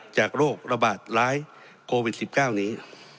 โรคระบาดร้ายโควิด๑๙นี้